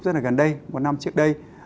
rất là gần đây một năm trước đây